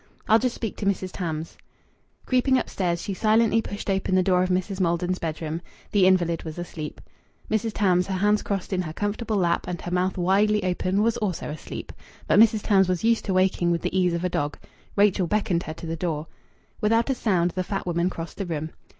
"I'll just speak to Mrs. Tams." Creeping upstairs, she silently pushed open the door of Mrs. Maldon's bedroom. The invalid was asleep. Mrs. Tams, her hands crossed in her comfortable lap, and her mouth widely open, was also asleep. But Mrs. Tams was used to waking with the ease of a dog. Rachel beckoned her to the door. Without a sound the fat woman crossed the room.